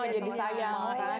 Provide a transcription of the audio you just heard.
jadi sayang kan